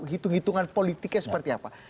hitung hitungan politiknya seperti apa